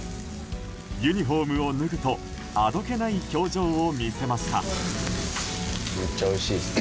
ユニホームを脱ぐとあどけない表情を見せました。